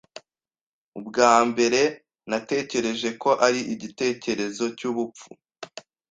Ubwa mbere, natekereje ko ari igitekerezo cyubupfu.